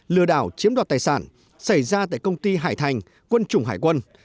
lừa đảo chiếm đoạt tài sản xảy ra tại công ty hải thành quân chủng hải quân